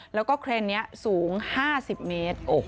แล้วก็เครนนี้สูง๕๐เมตร